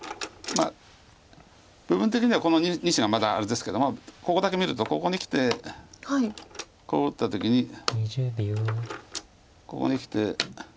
部分的にはこの２子がまだあれですけどもここだけ見るとここにきてこう打った時にここにきて。